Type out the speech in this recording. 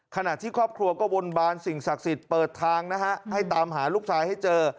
ขณะที่ครอบครัวก็วนบานสิ่งศักดิ์สิทธิ์เปิดทางนะฮะให้ตามหาลูกชายให้เจอ